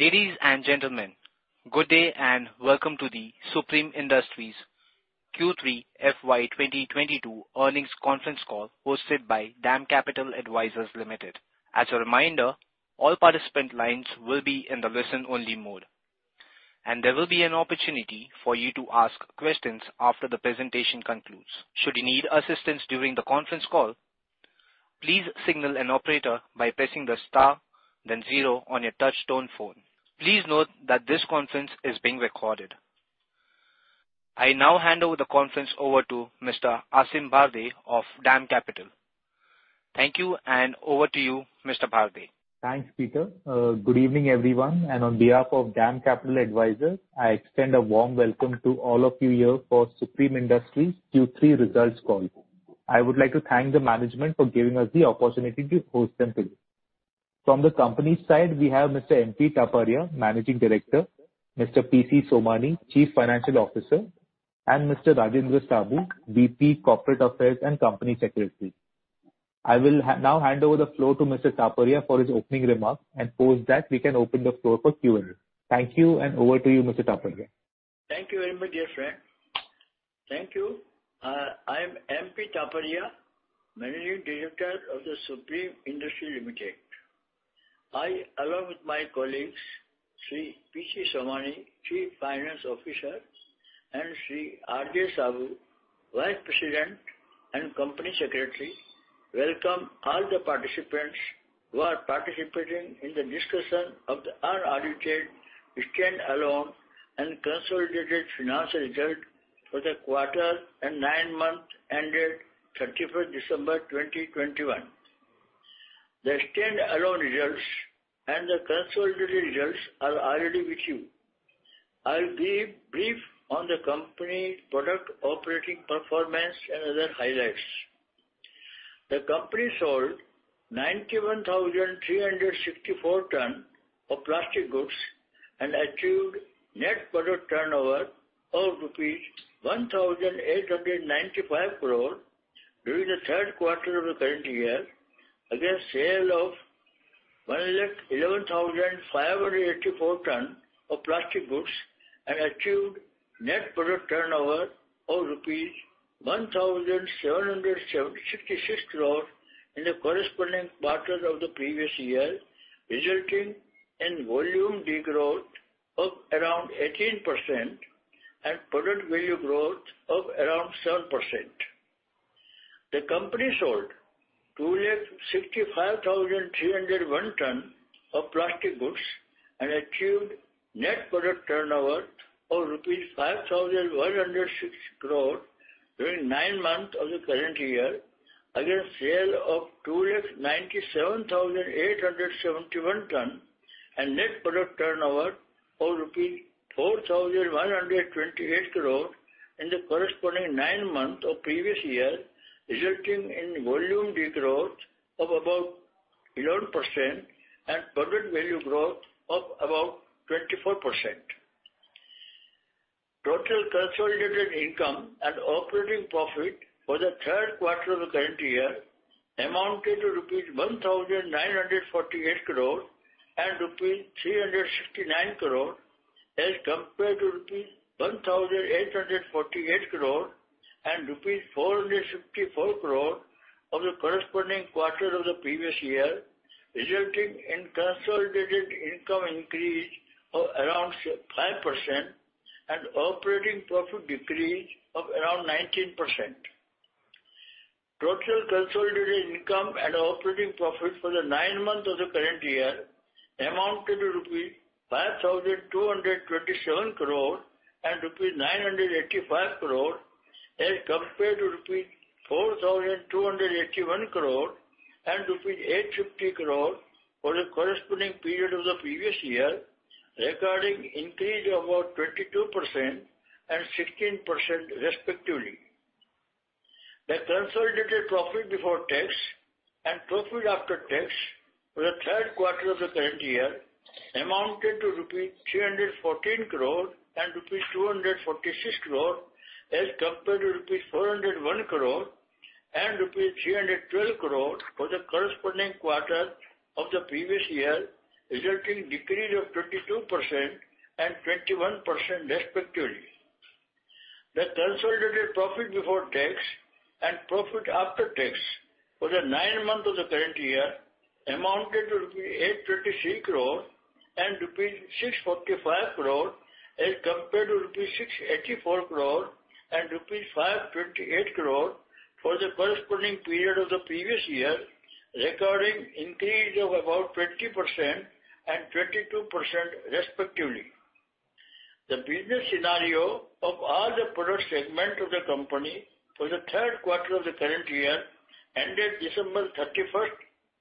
Ladies and gentlemen, good day and welcome to the Supreme Industries Q3 FY 2022 earnings conference call hosted by DAM Capital Advisors Limited. As a reminder, all participant lines will be in the listen-only mode, and there will be an opportunity for you to ask questions after the presentation concludes. Should you need assistance during the conference call, please signal an operator by pressing the star then zero on your touch tone phone. Please note that this conference is being recorded. I now hand over the conference to Mr. Aasim Bharde of DAM Capital. Thank you and over to you, Mr. Bharde. Thanks, Peter. Good evening, everyone, and on behalf of DAM Capital Advisors, I extend a warm welcome to all of you here for Supreme Industries Q3 results call. I would like to thank the management for giving us the opportunity to host them today. From the company's side, we have Mr. M.P. Taparia, Managing Director, Mr. P.C. Somani, Chief Financial Officer, and Mr. Rajendra Saboo, VP Corporate Affairs and Company Secretary. I will now hand over the floor to Mr. Taparia for his opening remarks and post that we can open the floor for Q&A. Thank you and over to you, Mr. Taparia. Thank you very much, dear friend. Thank you. I am M.P. Taparia, Managing Director of Supreme Industries Limited. I, along with my colleagues, Sri P.C. Somani, Chief Financial Officer, and Sri R.J. Saboo, Vice President and Company Secretary, welcome all the participants who are participating in the discussion of the unaudited stand-alone and consolidated financial results for the quarter and nine months ended 31 December 2021. The stand-alone results and the consolidated results are already with you. I'll be brief on the company product operating performance and other highlights. The company sold 91,364 tons of plastic goods and achieved net product turnover of rupees 1,895 crore during the third quarter of the current year against sale of 111,584 tons of plastic goods and achieved net product turnover of INR 1,766 crore in the corresponding quarter of the previous year, resulting in volume degrowth of around 18% and product value growth of around 7%. The company sold 265,301 tons of plastic goods and achieved net product turnover of rupees 5,160 crore during nine months of the current year against sale of 297,871 tons and net product turnover of rupees 4,128 crore in the corresponding nine months of previous year, resulting in volume degrowth of about 11% and product value growth of about 24%. Total consolidated income and operating profit for the third quarter of the current year amounted to rupees 1,948 crore and rupees 369 crore as compared to rupees 1,848 crore and rupees 464 crore of the corresponding quarter of the previous year, resulting in consolidated income increase of around five percent and operating profit decrease of around 19%. Total consolidated income and operating profit for the nine months of the current year amounted to rupees 5,227 crore and rupees 985 crore as compared to rupees 4,281 crore and rupees 850 crore for the corresponding period of the previous year, recording increase of about 22% and 16% respectively. The consolidated profit before tax and profit after tax for the third quarter of the current year amounted to rupees 314 crore and rupees 246 crore as compared to rupees 401 crore and rupees 312 crore for the corresponding quarter of the previous year, resulting decrease of 22% and 21% respectively. The consolidated profit before tax and profit after tax for the nine months of the current year amounted to rupees 826 crore and rupees 645 crore as compared to rupees 684 crore and rupees 528 crore for the corresponding period of the previous year, recording increase of about 20% and 22% respectively. The business scenario of all the product segments of the company for the third quarter of the current year ended December 31,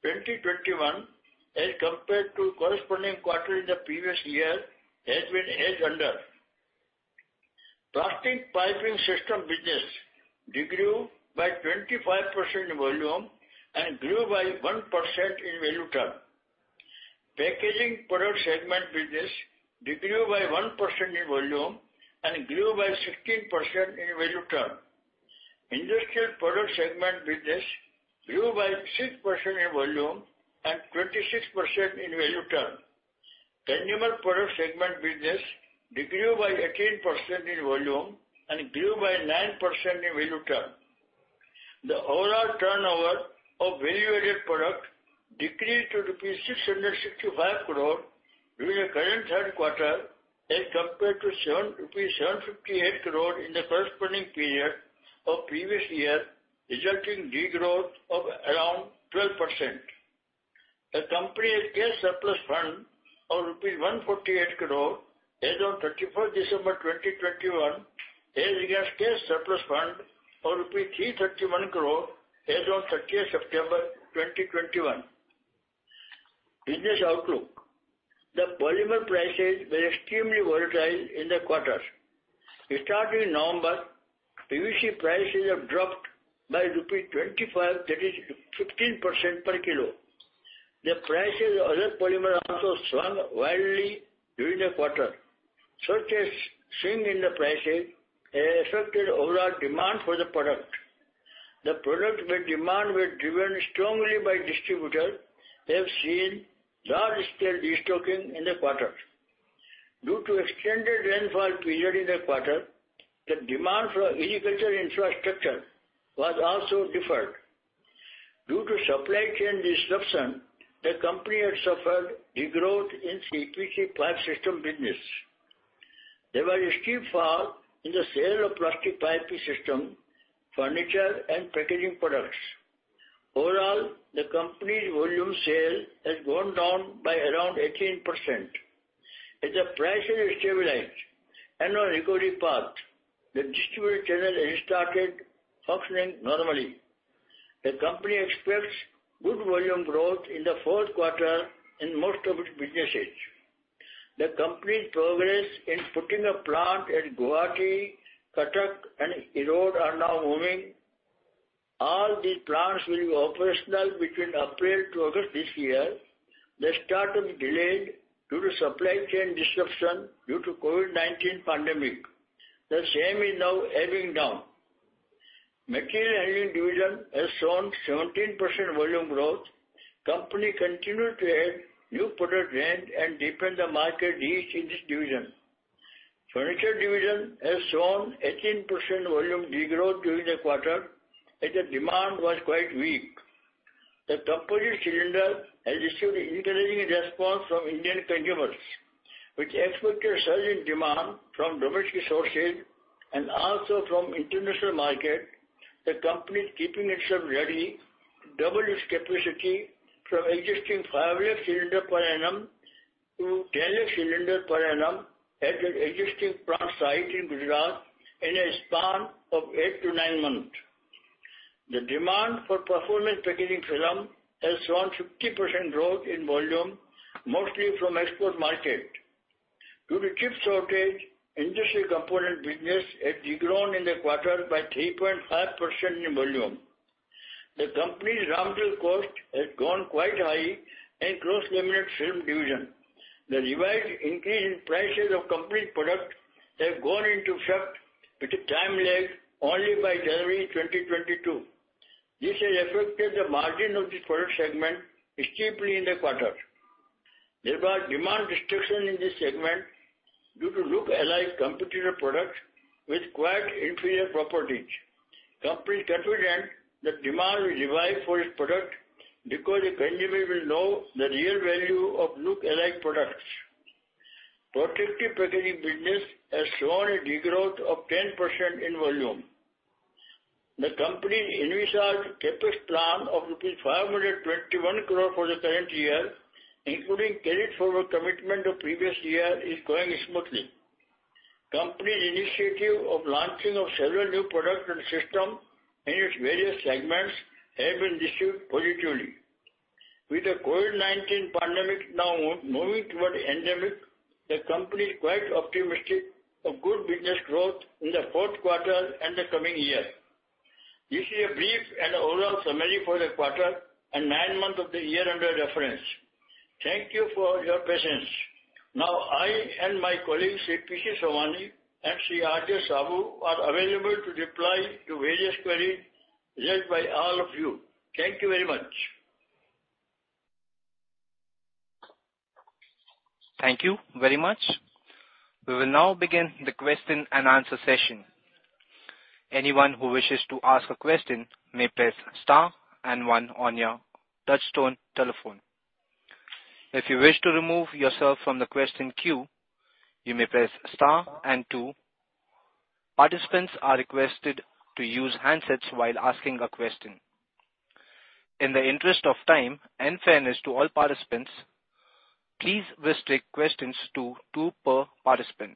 2021 as compared to corresponding quarter in the previous year has been as under. Plastic Piping System business degrew by 25% in volume and grew by 1% in value terms. Packaging Products segment business degrew by 1% in volume and grew by 16% in value terms. Industrial Products segment business grew by 6% in volume and 26% in value terms. Consumer Products segment business decreased by 18% in volume and grew by 9% in value terms. The overall turnover of value-added products decreased to 665 crore rupees during the current third quarter as compared to 758 crore rupees in the corresponding period of previous year, resulting degrowth of around 12%. The company has cash surplus fund of INR 148 crore as on 31 December 2021, as against cash surplus fund of rupee 331 crore as on 31 September 2021. Business outlook. The polymer prices were extremely volatile in the quarter. Starting November, PVC prices have dropped by rupees 25, that is 15% per kilo. The prices of other polymer also swung wildly during the quarter. Such a swing in the prices has affected overall demand for the product. The products with demand were driven strongly by distributors. They have seen large-scale destocking in the quarter. Due to extended rainfall period in the quarter, the demand for agricultural infrastructure was also deferred. Due to supply chain disruption, the company had suffered degrowth in CPVC pipe system business. There was a steep fall in the sales of Plastic Piping System, furniture, and Packaging Products. Overall, the company's volume sales has gone down by around 18%. As the prices stabilized and on recovery path, the distribution channel has restarted functioning normally. The company expects good volume growth in the fourth quarter in most of its businesses. The company's progress in putting up a plant at Guwahati, Cuttack, and Erode is now moving. All these plants will be operational between April to August this year. The start was delayed due to supply chain disruption due to COVID-19 pandemic. The same is now ebbing down. Material Handling Division has shown 17% volume growth. Company continued to add new product range and deepen the market reach in this division. Furniture Division has shown 18% volume degrowth during the quarter, as the demand was quite weak. The Composite Cylinder has received encouraging response from Indian consumers, which expects a surge in demand from domestic sources and also from international market. The company is keeping itself ready to double its capacity from existing 5 lakh cylinders per annum to 10 lakh cylinders per annum at an existing plant site in Gujarat in a span of 8-9 months. The demand for Performance Packaging Films has shown 50% growth in volume, mostly from export market. Due to chip shortage, industrial component business has degrown in the quarter by 3.5% in volume. The company's raw material cost has gone quite high in Cross Laminated Film division. The revised increase in prices of company product have gone into effect with a time lag only by January 2022. This has affected the margin of the product segment steeply in the quarter. There was demand destruction in this segment due to look-alike competitor product with quite inferior properties. Company is confident that demand will revive for its product because the consumer will know the real value of look-alike products. Protective Packaging business has shown a degrowth of 10% in volume. The company envisaged CapEx plan of rupees 521 crore for the current year, including carry forward commitment of previous year, is going smoothly. Company's initiative of launching of several new products and system in its various segments have been received positively. With the COVID-19 pandemic now moving toward endemic, the company is quite optimistic of good business growth in the fourth quarter and the coming year. This is a brief and overall summary for the quarter and nine months of the year under reference. Thank you for your patience. Now, I and my colleagues, Sri P.C. Somani and Sri R.J. Saboo, are available to reply to various queries raised by all of you. Thank you very much. Thank you very much. We will now begin the question and answer session. Anyone who wishes to ask a question may press star and one on your touchtone telephone. If you wish to remove yourself from the question queue, you may press star and two. Participants are requested to use handsets while asking a question. In the interest of time and fairness to all participants, please restrict questions to two per participant.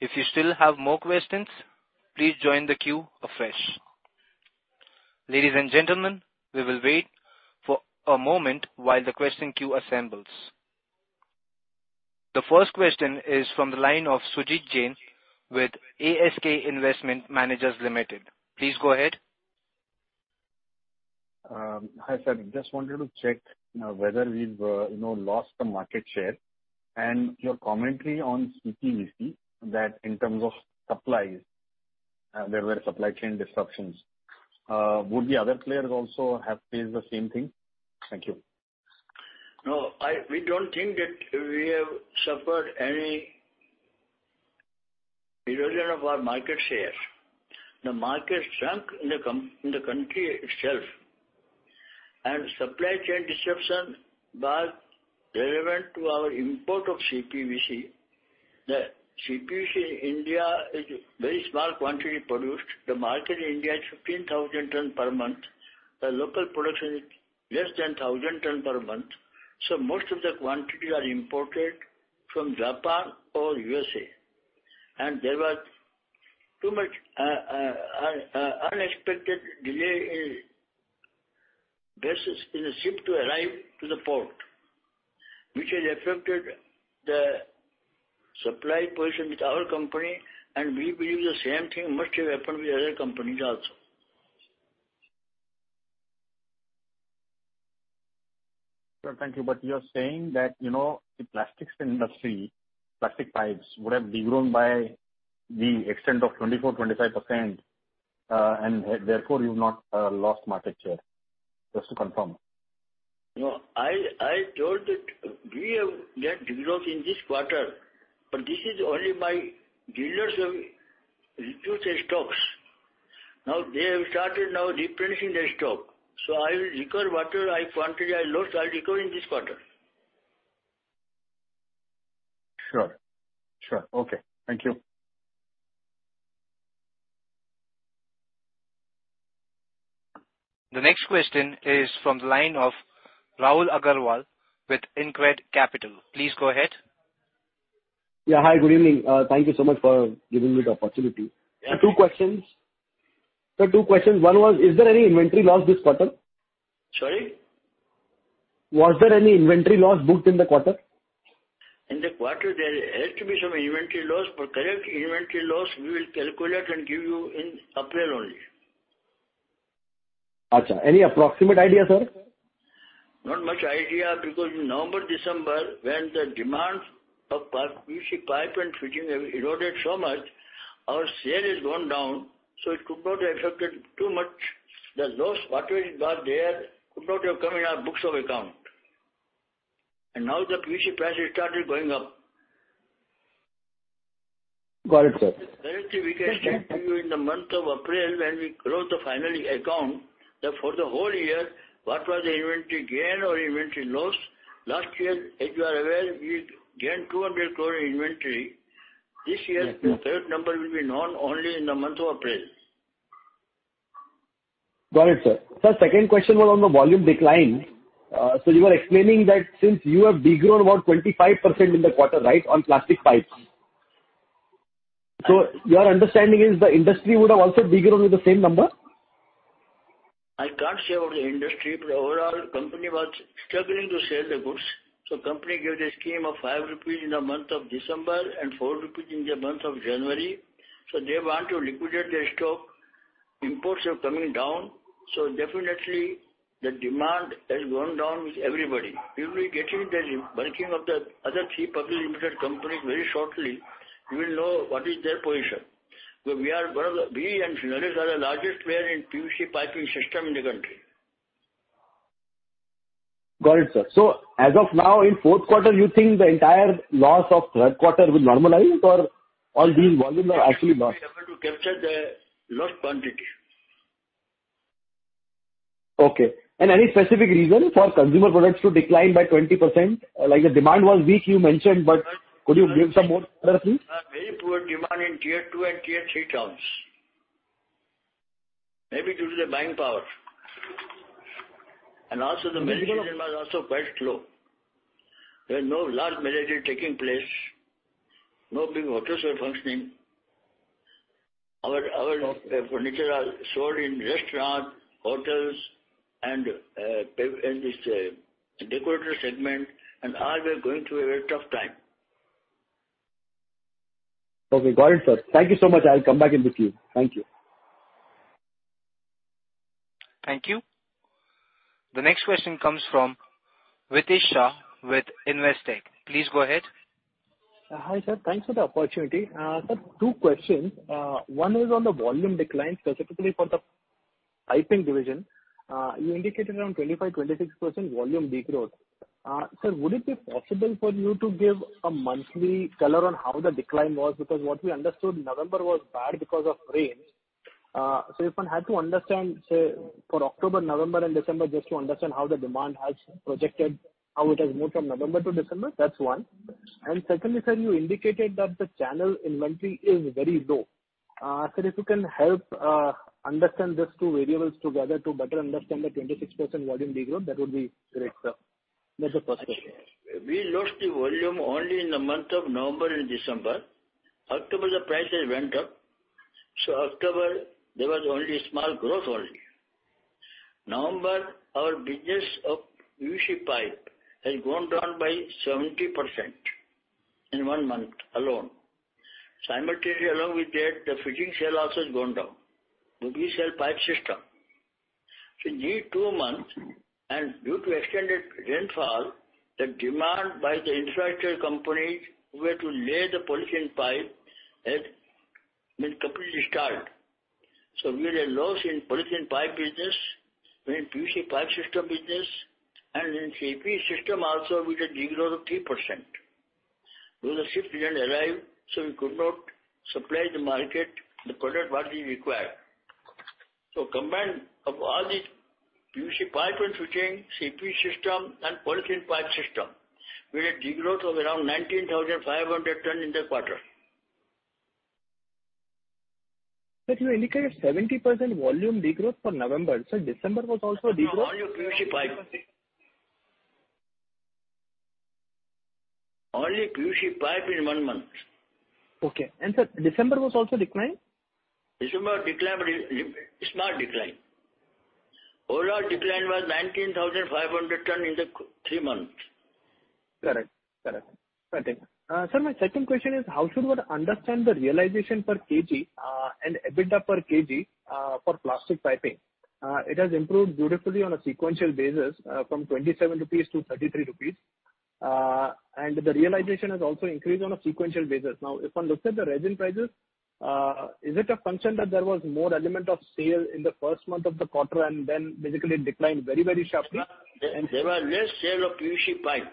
If you still have more questions, please join the queue afresh. Ladies and gentlemen, we will wait for a moment while the question queue assembles. The first question is from the line of Sujit Jain with ASK Investment Managers Limited. Please go ahead. Hi, sir. Just wanted to check whether we've, you know, lost the market share and your commentary on CPVC that in terms of supplies there were supply chain disruptions. Would the other players also have faced the same thing? Thank you. No, we don't think that we have suffered any erosion of our market share. The market shrunk in the country itself, and supply chain disruption was relevant to our import of CPVC. The CPVC in India is very small quantity produced. The market in India is 15,000 tons per month. The local production is less than 1,000 tons per month. Most of the quantity are imported from Japan or USA. There was too much unexpected delay in vessels, in a ship to arrive to the port, which has affected the supply position with our company, and we believe the same thing must have happened with other companies also. Well, thank you. You are saying that, you know, the plastics industry, plastic pipes would have degrown by the extent of 24%-25%, and therefore you've not lost market share. Just to confirm. No, I told that we have net degrown in this quarter, but this is only by dealers who reduced their stocks. Now they have started now replenishing their stock. I will recover whatever quantity I lost. I'll recover in this quarter. Sure. Okay. Thank you. The next question is from the line of Rahul Agarwal with InCred Capital. Please go ahead. Yeah. Hi, good evening. Thank you so much for giving me the opportunity. Yeah. Two questions. Sir, two questions. One was, is there any inventory loss this quarter? Sorry? Was there any inventory loss booked in the quarter? In the quarter, there has to be some inventory loss. Correct inventory loss, we will calculate and give you in April only. Achha. Any approximate idea, sir? Not much idea because in November, December, when the demand of PVC pipe and fitting have eroded so much, our sale has gone down, so it could not have affected too much. The loss whatever is got there could not have come in our books of account. Now the PVC price has started going up. Got it, sir. Correctly, we can state to you in the month of April when we close the final account that for the whole year, what was the inventory gain or inventory loss. Last year, as you are aware, we gained 200 crore inventory. Yes, sir. This year, the third number will be known only in the month of April. Got it, sir. Sir, second question was on the volume decline. You were explaining that since you have degrown about 25% in the quarter, right, on plastic pipes. Your understanding is the industry would have also degrown with the same number? I can't say about the industry, but overall company was struggling to sell the goods. Company gave the scheme of 5 rupees in the month of December and 4 rupees in the month of January. They want to liquidate their stock. Imports are coming down. Definitely the demand has gone down with everybody. We will be getting the bookings of the other three public limited companies very shortly. We will know what is their position. We and Finolex are the largest player in PVC piping system in the country. Got it, sir. As of now in fourth quarter, you think the entire loss of third quarter will normalize or these volume are actually lost? We are able to capture the lost quantity. Okay. Any specific reason for Consumer Products to decline by 20%? Like, the demand was weak, you mentioned, but could you give some more color, please? Very poor demand in tier two and tier three towns. Maybe due to the buying power. Also the marriage season was also quite slow. There was no large marriage really taking place. No big hotels were functioning. Our furniture are sold in restaurant, hotels and in this decorator segment and all were going through a very tough time. Okay. Got it, sir. Thank you so much. I'll come back in the queue. Thank you. Thank you. The next question comes from Ritesh Shah with Investec. Please go ahead. Hi, sir. Thanks for the opportunity. Sir, two questions. One is on the volume decline, specifically for the piping division. You indicated around 25%-26% volume decline. Sir, would it be possible for you to give a monthly color on how the decline was? Because what we understood, November was bad because of rains. So if one had to understand, say, for October, November and December, just to understand how the demand has projected, how it has moved from November to December. That's one. Secondly, sir, you indicated that the channel inventory is very low. Sir, if you can help understand these two variables together to better understand the 26% volume decline, that would be great, sir. That's the first question. We lost the volume only in the month of November and December. October, the prices went up. October there was only small growth only. November our business of PVC pipe has gone down by 70% in one month alone. Simultaneously, along with that, the fitting sale also has gone down, the PVC pipe system. In these two months, and due to extended rainfall, the demand by the infrastructure companies were to lay the polyethylene pipe has been completely stalled. We had a loss in polyethylene pipe business, in PVC pipe system business and in CPVC system also we had a de-growth of 3%. Because the ships didn't arrive, so we could not supply the market the product what is required. Combined of all these PVC pipe and fittings, CPVC system and polyethylene pipe system, we had a de-growth of around 19,500 tons in that quarter. Sir, you indicated 70% volume de-growth for November. December was also de-growth? No, only PVC pipe. Only PVC pipe in one month. Okay. Sir, December was also decline? December decline really small decline. Overall decline was 19,500 tons in the Q3 three months. Correct. Sir, my second question is how should one understand the realization per kg and EBITDA per kg for plastic piping? It has improved beautifully on a sequential basis from 27 rupees to 33 rupees. The realization has also increased on a sequential basis. Now, if one looks at the resin prices, is it a function that there was more element of sale in the first month of the quarter and then basically it declined very, very sharply? There was less sale of PVC pipe.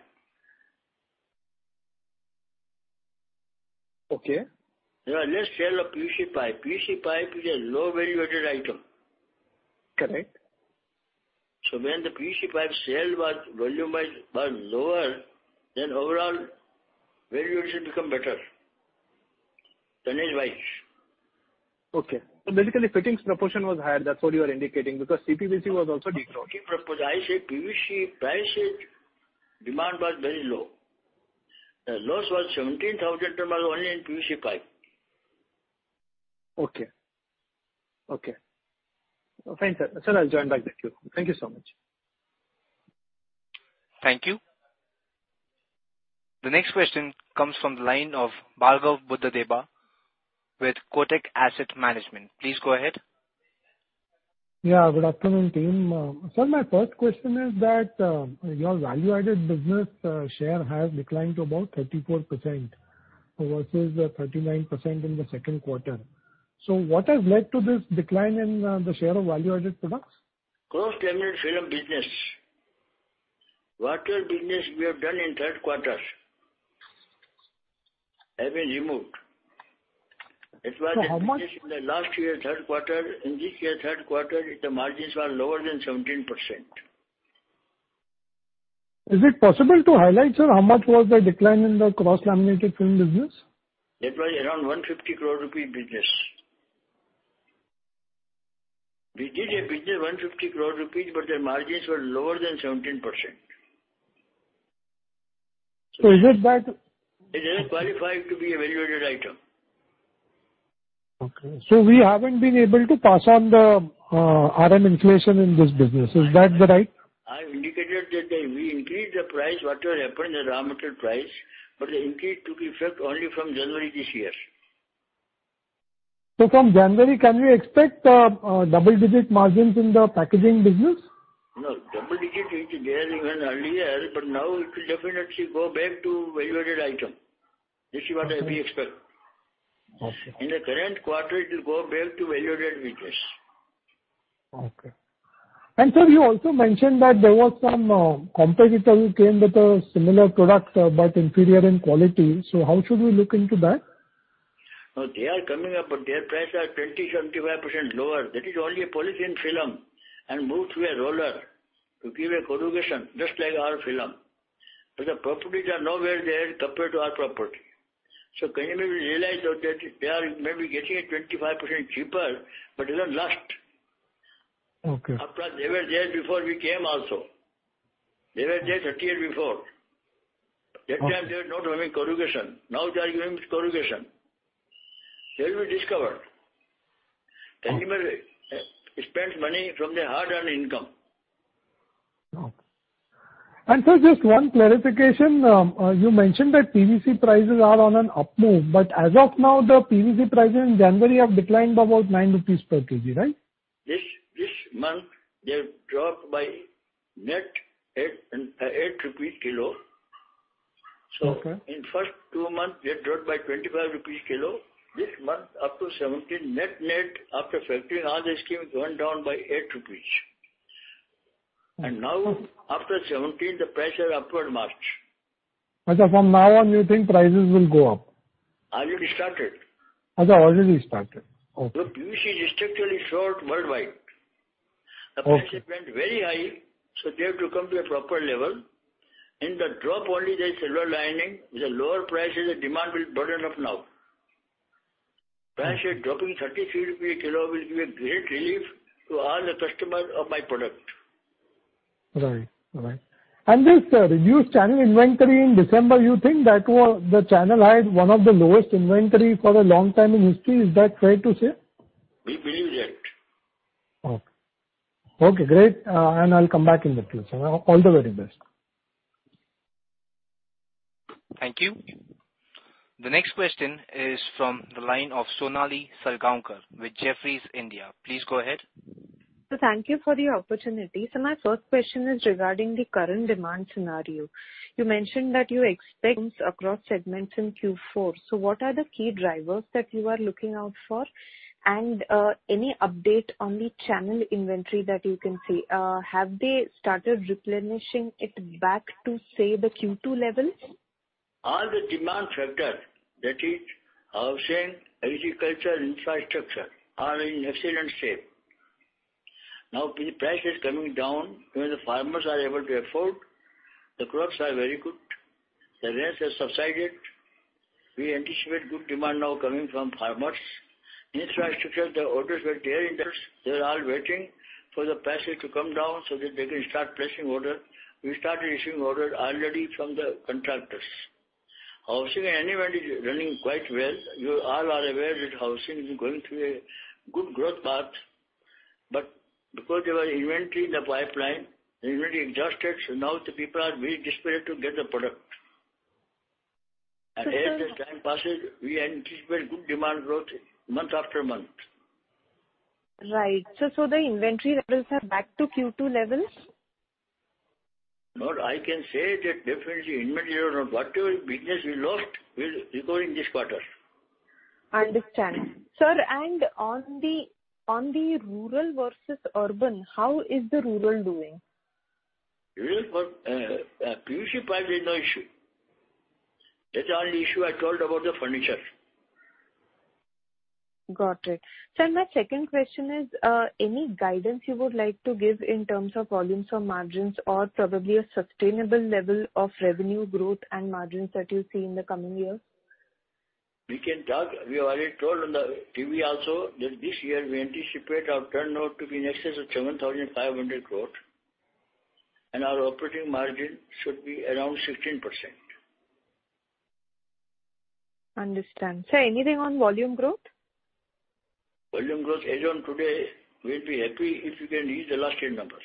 Okay. There was less sale of PVC pipe. PVC pipe is a low value-added item. Correct. When the PVC pipe sale volume was lower, then overall value should become better, tonnage wise. Okay. Basically fittings proportion was higher, that's what you are indicating, because CPVC was also de-growth. Not fitting proportion. I said PVC prices demand was very low. The loss was 17,000 tons only in PVC pipe. Okay. Fine, sir. Sir, I'll join back the queue. Thank you so much. Thank you. The next question comes from the line of Bhargav Buddhadev with Kotak Asset Management. Please go ahead. Yeah, good afternoon team. My first question is that your value-added business share has declined to about 34% versus 39% in the second quarter. What has led to this decline in the share of value-added products? Cross Laminated Film business. Water business we have done in third quarter, have been removed. How much? In the last year, third quarter, in this year, third quarter, the margins were lower than 17%. Is it possible to highlight, sir, how much was the decline in the Cross Laminated Film business? It was around 150 crore rupee business. We did a business 150 crore rupees, but the margins were lower than 17%. Is it that? It doesn't qualify to be a value-added item. Okay. We haven't been able to pass on the raw material inflation in this business. Is that right? I indicated that we increased the price, whatever happened, the raw material price, but the increase took effect only from January this year. From January, can we expect double-digit margins in the packaging business? No. Double-digit it there even earlier, but now it will definitely go back to value-added item. This is what we expect. Okay. In the current quarter, it will go back to value-added business. Okay. Sir, you also mentioned that there was some competitor who came with a similar product, but inferior in quality. How should we look into that? No. They are coming up, but their price are 20%-25% lower. That is only a polyethylene film and moved through a roller to give a corrugation just like our film. The properties are nowhere near there compared to our property. Customer will realize that they are maybe getting it 25% cheaper, but it won't last. Okay. After all, they were there before we came also. They were there 30 years before. Okay. That time they were not doing corrugation. Now they are doing corrugation. They will be discovered. Okay. Customer spends money from their hard-earned income. No. Sir, just one clarification. You mentioned that PVC prices are on an up move, but as of now, the PVC prices in January have declined about 9 rupees per kg, right? This month they have dropped by net 8 kilo. Okay. In first two months, they have dropped by 25 rupees/kg. This month up to 17 net after factoring all these schemes went down by 8 rupees. Okay. Now after 17th, the price has upward march. From now on, you think prices will go up? Already started. Already started. Okay. The PVC is structurally short worldwide. Okay. The price went very high, so they have to come to a proper level. In the drop only there is silver lining. With the lower prices, the demand will surge enough now. Price is dropping. 33 rupees a kilo will be a great relief to all the customers of my product. Right. This reduced channel inventory in December, you think that was the channel had one of the lowest inventory for a long time in history? Is that fair to say? We believe that. Okay. Okay, great. I'll come back in the queue, sir. All the very best. Thank you. The next question is from the line of Sonali Salgaonkar with Jefferies India. Please go ahead. Thank you for the opportunity. My first question is regarding the current demand scenario. You mentioned that you expect across segments in Q4. What are the key drivers that you are looking out for? Any update on the channel inventory that you can see? Have they started replenishing it back to, say, the Q2 levels? All the demand factors, that is housing, agriculture, infrastructure, are in excellent shape. Now the price is coming down. Even the farmers are able to afford. The crops are very good. The rains have subsided. We anticipate good demand now coming from farmers. Infrastructure, the orders were there. They're all waiting for the prices to come down so that they can start placing orders. We started receiving orders already from the contractors. Housing and inventory is running quite well. You all are aware that housing is going through a good growth path, but because there was inventory in the pipeline, the inventory exhausted, so now the people are very desperate to get the product. Sir- As the time passes, we anticipate good demand growth month after month. Right. The inventory levels are back to Q2 levels? No, I can say that definitely inventory or whatever business we lost will recover in this quarter. I understand. Sir, and on the rural versus urban, how is the rural doing? Rural PVC pipe is no issue. That's all the issue I told about the furniture. Got it. Sir, my second question is, any guidance you would like to give in terms of volumes or margins or probably a sustainable level of revenue growth and margins that you see in the coming years? We can talk. We have already told on the TV also that this year we anticipate our turnover to be in excess of 7,500 crore. Our operating margin should be around 16%. Understood. Sir, anything on volume growth? Volume growth as on today, we'll be happy if we can reach the last year numbers.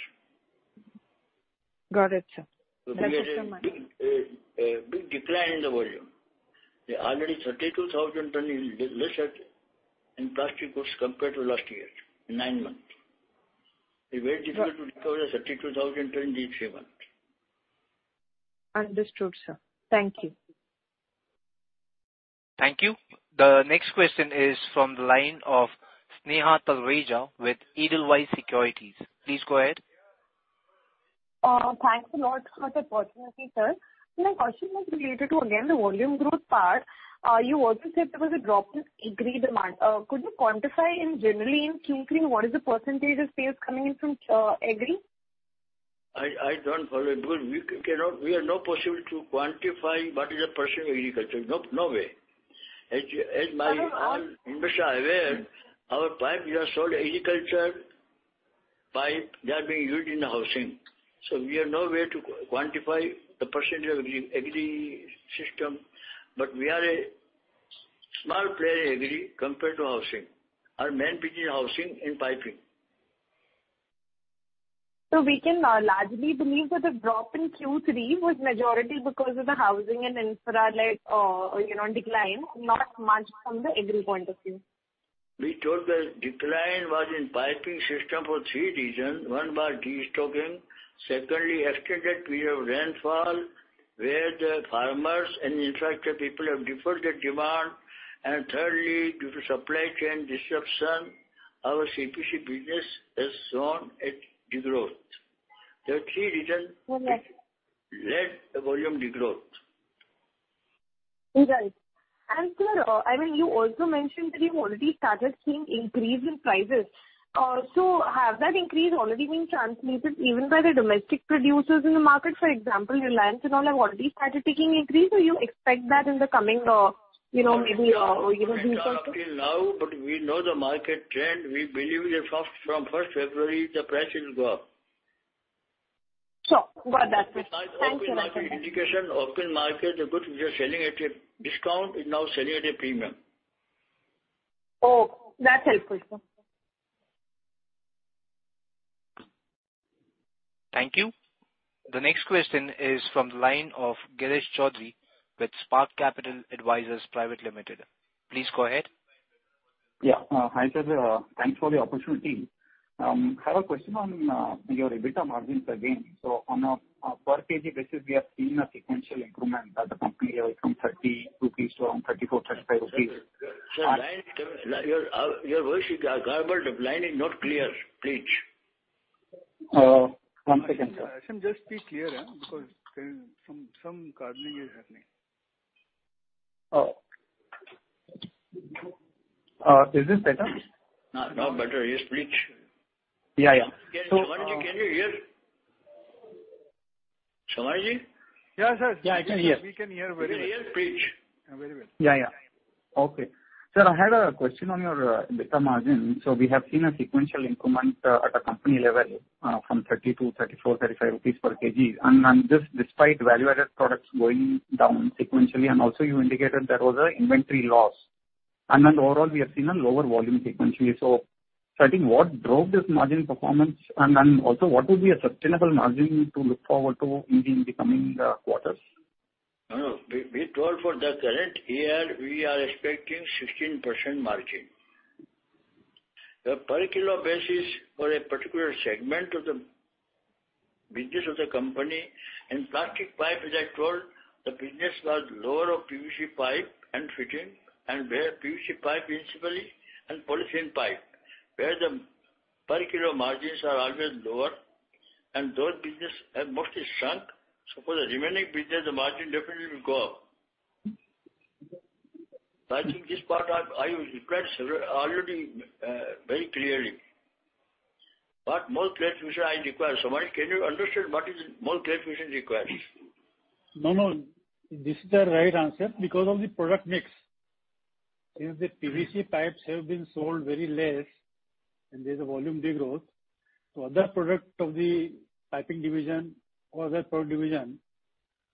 Got it, sir. Thank you so much. We had a big decline in the volume. Already 32,000 tons is less in plastic goods compared to last year, in nine months. Right. It's very difficult to recover the 32,000 ton in three months. Understood, sir. Thank you. Thank you. The next question is from the line of Sneha Talreja with Edelweiss Securities. Please go ahead. Thanks a lot for the opportunity, sir. My question was related to again the volume growth part. You also said there was a drop in agri demand. Could you quantify in general in Q3, what is the percentage of sales coming in from agri? I don't follow. We have no possibility to quantify what is the percentage of agriculture. No way. Uh- As all my investors are aware, our pipes we have sold agri pipe, they are being used in the housing. We have no way to quantify the percentage of agri segment. We are a small player in agri compared to housing. Our main business is housing and piping. We can largely believe that the drop in Q3 was majority because of the housing and infra led, you know, decline, not much from the agri point of view. We told the decline was in Piping System for three reasons. One was destocking. Secondly, extended period of rainfall, where the farmers and infrastructure people have deferred their demand. Thirdly, due to supply chain disruption, our CPVC Business has shown a degrowth. Okay. Led the volume degrowth. Right. Sir, I mean, you also mentioned that you've already started seeing increase in prices. So has that increase already been transmitted even by the domestic producers in the market? For example, Reliance and all have already started taking increase, or you expect that in the coming, you know, maybe, you know- They are up till now, but we know the market trend. We believe that from first February, the price will go up. Got that. Thank you very much. It's an open market indication. Open market, the goods we are selling at a discount is now selling at a premium. Oh, that's helpful, sir. Thank you. The next question is from the line of Girish Choudhary with Spark Capital Advisors Private Limited. Please go ahead. Hi, sir. Thanks for the opportunity. I have a question on your EBITDA margins again. On a per kg basis, we have seen a sequential improvement at the company level from 30 rupees to around 34-35 rupees. Sir, line is terrible. Your voice is garbled. Line is not clear. Please. One second, sir. Girish Chaudhary, just speak clearly, because there's some garbling happening. Oh. Is this better? Now better. Yes, please. Yeah, yeah. Shivanji, can you hear? Shivanji? Yeah, sir. Yeah, I can hear. We can hear very well. you hear? Please. Very well. Yeah, yeah. Okay. Sir, I had a question on your EBITDA margin. We have seen a sequential improvement at a company level from 32, 34 rupees, 35 rupees per kg. This despite value-added products going down sequentially, and also you indicated there was an inventory loss. Overall we have seen a lower volume frequency. I think what drove this margin performance and also what would be a sustainable margin to look forward to in the coming quarters? No, no. We told for the current year, we are expecting 16% margin. The per kilo basis for a particular segment of the business of the company and plastic pipe, as I told, the business was lower of PVC pipe and fitting and where PVC pipe principally and polyethylene pipe, where the per kilo margins are always lower and those business have mostly shrunk. For the remaining business, the margin definitely will go up. I think this part I explained several already, very clearly. What more clarification I require? Somebody, can you understand what is more clarification required? No, no. This is the right answer because of the product mix. Since the PVC pipes have been sold very less and there's a volume degrowth. Other product of the piping division or other product division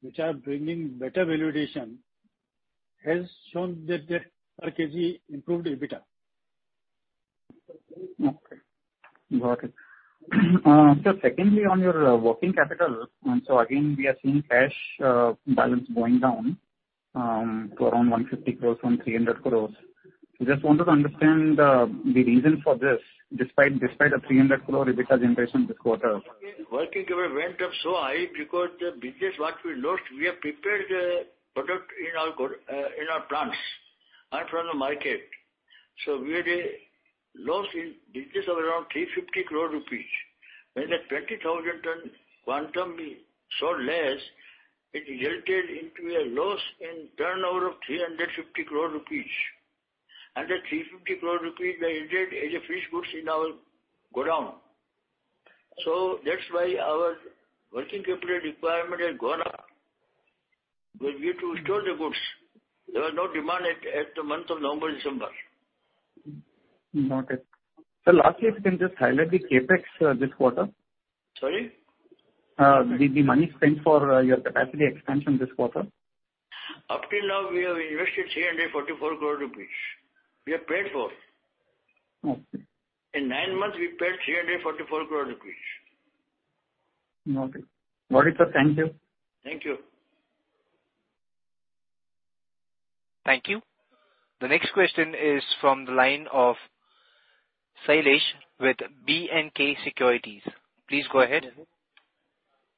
which are bringing better valuation has shown that the per kg improved EBITDA. Okay, got it. Sir, secondly, on your working capital, again we are seeing cash balance going down to around 150 crores from 300 crores. We just wanted to understand the reason for this despite the 300 crore EBITDA generation this quarter. Working capital went up so high because the business what we lost, we have prepared the product in our plants and from the market. We had a loss in business of around 350 crore rupees. When the 20,000 ton quantum we sold less, it resulted into a loss in turnover of 350 crore rupees. The 350 crore rupees resulted as a finished goods in our godown. That's why our working capital requirement has gone up. We need to store the goods. There was no demand in the month of November, December. Got it. Lastly if you can just highlight the CapEx this quarter. Sorry? The money spent for your capacity expansion this quarter. Up till now we have invested 344 crore rupees. We have paid for. Okay. In nine months we paid 344 crore rupees. Okay. Got it, sir. Thank you. Thank you. Thank you. The next question is from the line of Sailesh with B&K Securities. Please go ahead.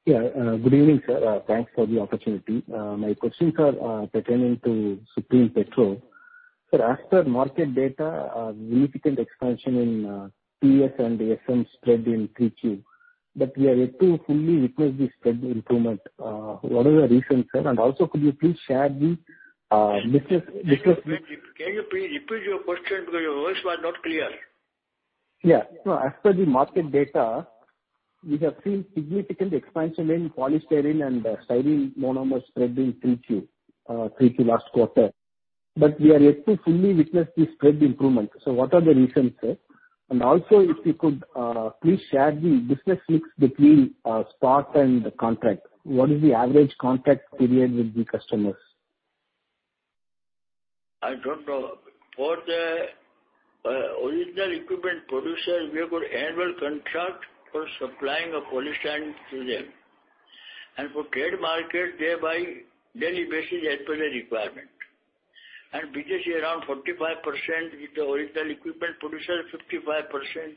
Good evening, sir. Thanks for the opportunity. My questions are pertaining to Supreme Petrochem. Sir, as per market data, significant expansion in PS and SM spread in Q3. We are yet to fully witness the spread improvement. What are the reasons, sir? Also could you please share the business- Can you please repeat your question because your words were not clear. Yeah. No, as per the market data, we have seen significant expansion in polystyrene and the styrene monomer spread in 3Q last quarter. We are yet to fully witness the spread improvement. What are the reasons, sir? And also if you could please share the business mix between spot and contract. What is the average contract period with the customers? I don't know. For the original equipment producer, we have got annual contract for supplying a polystyrene to them. For trade market, they buy daily basis as per their requirement. Business is around 45% with the original equipment producer, 55%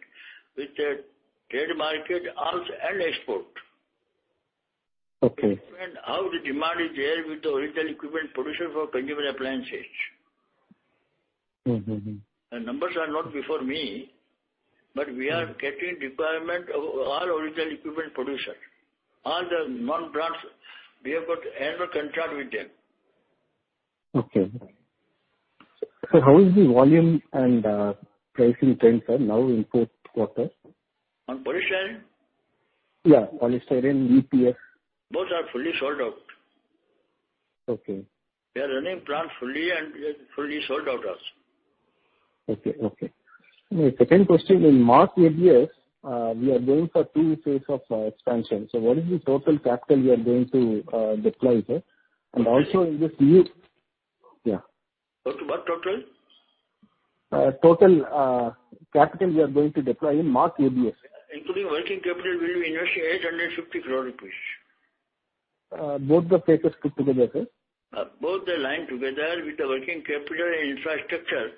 with the trade market also and export. Okay. How the demand is there with the original equipment manufacturer for consumer appliances. Mm-hmm. The numbers are not before me, but we are getting requirements from all original equipment producers. All the non-brands, we have got annual contracts with them. Okay. Sir, how is the volume and pricing trends are now in fourth quarter? On polystyrene? Yeah, polystyrene EPS. Both are fully sold out. Okay. We are running plant fully and we are fully sold out also. Okay. My second question, in mass ABS, we are going for phase II of expansion. What is the total capital you are going to deploy, sir? And also in this new Yeah. Go to what total? Total capital you are going to deploy in mass ABS. Including working capital, we will invest 850 crore rupees. Both the phases put together, sir? Both the line together with the working capital infrastructure.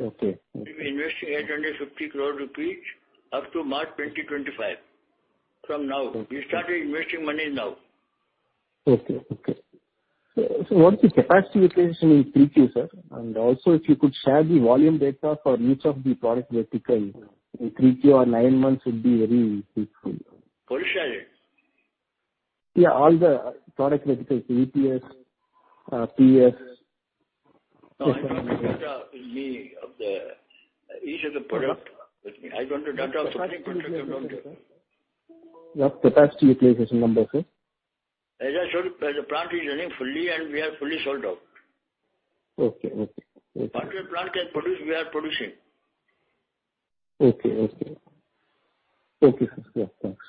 Okay. We will invest 850 crore rupees up to March 2025 from now. Okay. We started investing money now. Okay, okay. What's the capacity utilization in 3Q, sir? And also if you could share the volume data for each of the product vertical in 3Q or nine months would be very useful. Polystyrene? Yeah, all the product verticals, EPS, PS. No, I don't have the data with me of each of the product with me. I don't have data of the product. You have capacity utilization number, sir. As I said, the plant is running fully and we are fully sold out. Okay. What the plant can produce, we are producing. Okay, sir. Yeah, thanks.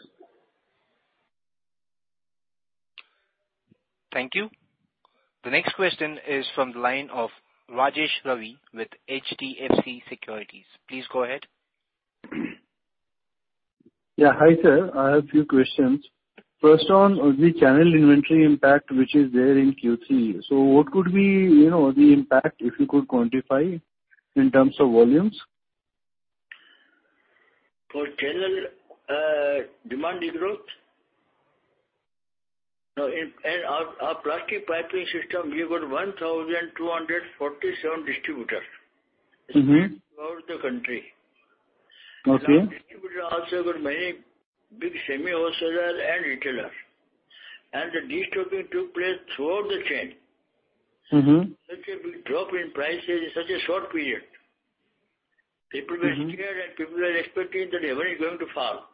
Thank you. The next question is from the line of Rajesh Ravi with HDFC Securities. Please go ahead. Yeah. Hi, sir. I have a few questions. First on the channel inventory impact, which is there in Q3. What could be, you know, the impact, if you could quantify in terms of volumes? For channel demand growth? No, in our Plastic Piping System, we've got 1,247 distributors- Mm-hmm. throughout the country. Okay. Now, distributor also got many big semi-wholesalers and retailers. The destocking took place throughout the chain. Mm-hmm. Such a big drop in prices in such a short period. Mm-hmm. People were scared, and people were expecting that revenue is going to fall.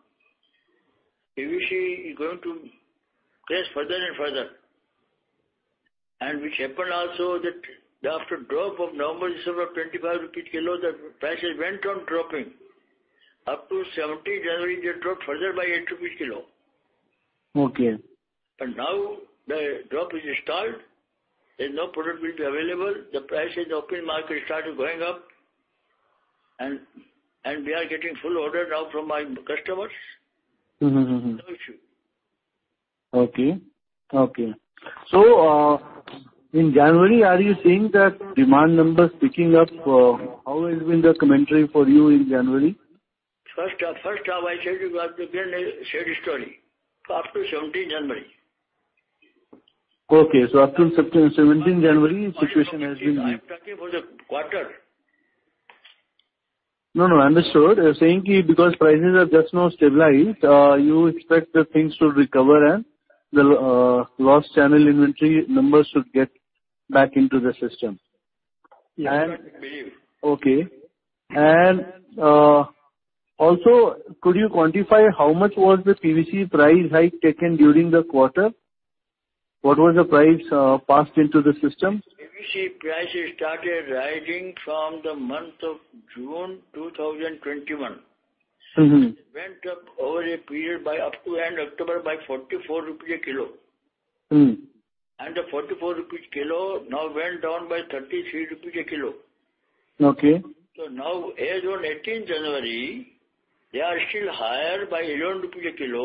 PVC is going to crash further and further. Which happened also, that after the drop of November 7, 25/kg, the prices went on dropping up to January 17. They dropped further by 8 rupees/kg. Okay. Now the drop is stalled. There's no product available. The price in the open market started going up. We are getting full order now from my customers. Mm-hmm, mm-hmm. No issue. Okay. In January, are you seeing that demand numbers picking up? How has been the commentary for you in January? First half, I said to you, the same story, up to 17 January. Okay. Up till January 17, the situation has been. I'm talking for the quarter. No, no, understood. You're saying because prices have just now stabilized, you expect the things to recover and the lost channel inventory numbers should get back into the system. That's right. Okay. Also, could you quantify how much was the PVC price hike taken during the quarter? What was the price passed into the system? PVC prices started rising from the month of June 2021. Mm-hmm. It went up over a period by up to end October by 44 rupees a kg. Mm. The 44 rupees per kg now went down by 33 rupees per kg. Okay. Now, as on 18th January, they are still higher by 11 rupees/kg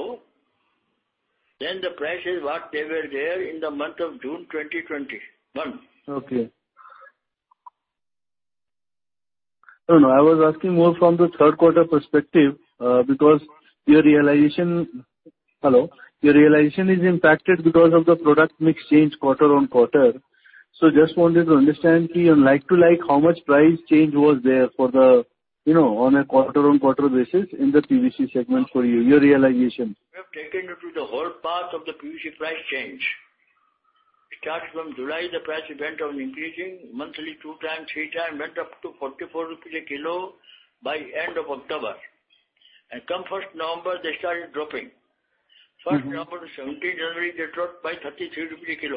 than the prices what they were there in the month of June 2021. Okay. No, no, I was asking more from the third quarter perspective, because your realization is impacted because of the product mix change quarter-on-quarter. So just wanted to understand like to like how much price change was there for the, you know, on a quarter-on-quarter basis in the PVC segment for you, your realization. We have taken you through the whole path of the PVC price change. It starts from July. The price went on increasing monthly two times, three times, went up to 44 rupees a kg by end of October. Come first November, they started dropping. Mm-hmm. November 1 to January 17, they dropped by 33 rupees a kg.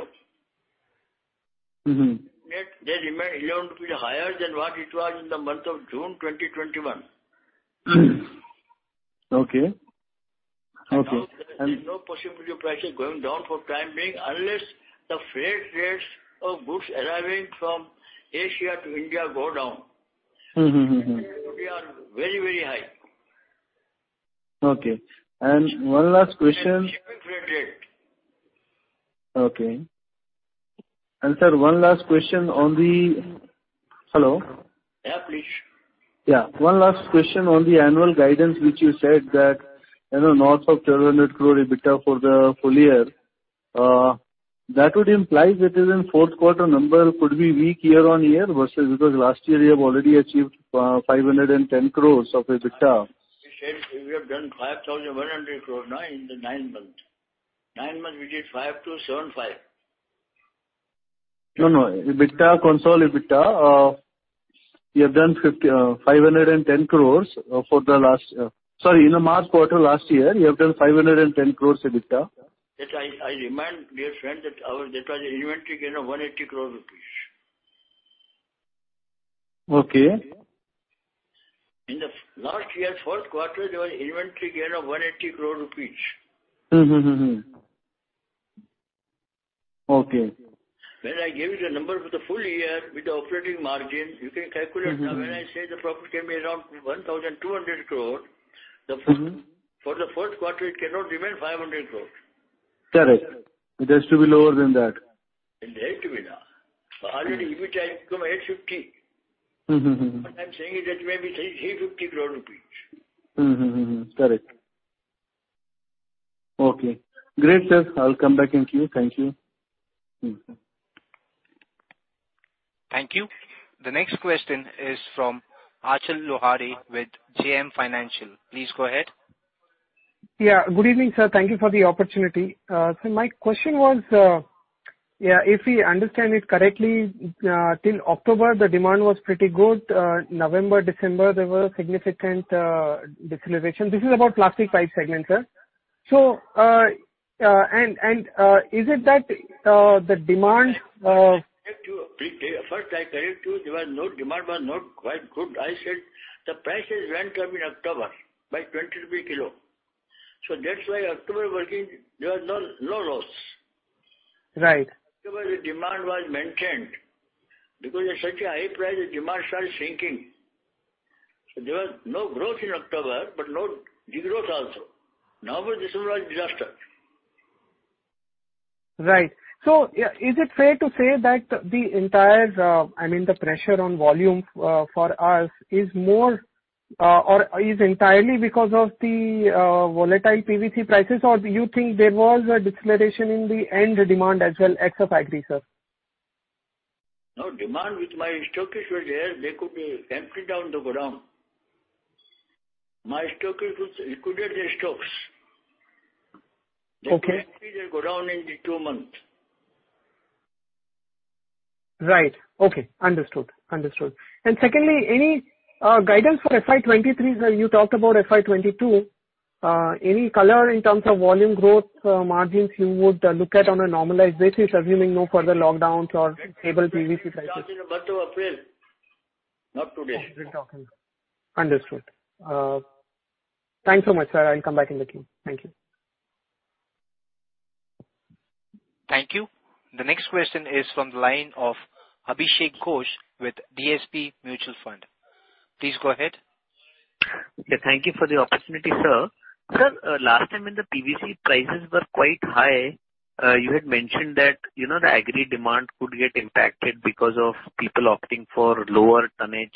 Mm-hmm. Yet they remain 11 rupees higher than what it was in the month of June 2021. Okay. Now there is no possibility of prices going down for time being unless the freight rates of goods arriving from Asia to India go down. Mm-hmm, mm-hmm. They are very, very high. Okay. One last question. freight. Okay. Sir, one last question on the Hello? Yeah, please. Yeah. One last question on the annual guidance, which you said that, you know, north of 1,200 crore EBITDA for the full year. That would imply that the fourth quarter number could be weak year-on-year versus because last year you have already achieved 510 crores of EBITDA. We said we have done 5,100 crore now in the nine months. Nine months, we did 5,275. No, no. EBITDA, consolidated EBITDA, you have done 510 crore. Sorry, in the March quarter last year, you have done 510 crore EBITDA. I remind, dear friend, that that was inventory gain of 180 crore rupees. Okay. In the last year's fourth quarter, there was inventory gain of 180 crore rupees. Okay. When I gave you the number for the full year with the operating margin, you can calculate now. Mm-hmm. When I say the profit can be around 1,200 crore. Mm-hmm. For the fourth quarter, it cannot remain 500 crore. Correct. It has to be lower than that. It has to be now. Already, EBITDA has come INR 850. Mm-hmm, mm-hmm. What I'm saying is that it may be INR 350 crore. Correct. Okay. Great, sir. I'll come back in queue. Thank you. Thank you. The next question is from Achal Lohade with JM Financial. Please go ahead. Yeah. Good evening, sir. Thank you for the opportunity. My question was, yeah, if we understand it correctly, till October, the demand was pretty good. November, December, there was significant deceleration. This is about plastic pipe segment, sir. Is it that the demand First, I correct you. Demand was not quite good. I said the prices went up in October by 20 rupees/kg. That's why October working, there was no loss. Right. October the demand was maintained. Because at such a high price, the demand started shrinking. There was no growth in October, but no de-growth also. November, December was a disaster. Right. Yeah, is it fair to say that the entire, I mean, the pressure on volume, for us is more, or is entirely because of the, volatile PVC prices? Or do you think there was a deceleration in the end demand as well ex-factory, sir? No, demand with my stockists were there. They could empty down the godown. My stockist could get their stocks. Okay. They could empty the godown in the two months. Right. Okay. Understood. Secondly, any guidance for FY 2023? Sir, you talked about FY 2022. Any color in terms of volume growth, margins you would look at on a normalized basis, assuming no further lockdowns or stable PVC prices? That we will be talking about in the month of April, not today. Okay. Understood. Thanks so much, sir. I'll come back in the queue. Thank you. Thank you. The next question is from the line of Abhishek Ghosh with DSP Mutual Fund. Please go ahead. Yeah, thank you for the opportunity, sir. Sir, last time when the PVC prices were quite high, you had mentioned that, you know, the agri demand could get impacted because of people opting for lower tonnage,